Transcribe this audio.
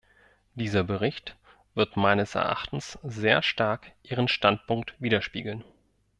Dieser Bericht wird meines Erachtens sehr stark Ihren Standpunkt widerspiegeln.